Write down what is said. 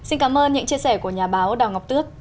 xin cảm ơn những chia sẻ của nhà báo đào ngọc tước